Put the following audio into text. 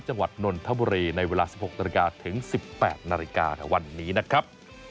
นนทบุรีในเวลา๑๖นาฬิกาถึง๑๘นาฬิกาวันนี้นะครับ